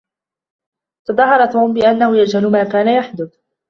تظاهر توم بأنه يجهل ما كان يحدث.